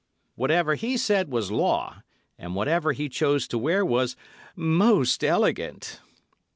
Whatever he said was law, and whatever he chose to wear was "most elegant."